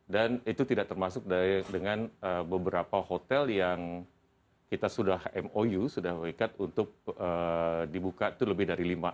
dan itu tidak termasuk dengan beberapa hotel yang kita sudah mou sudah bekerja untuk dibuka itu lebih dari lima